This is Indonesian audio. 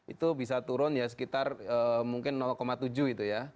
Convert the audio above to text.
itu bisa turun ya sekitar mungkin tujuh itu ya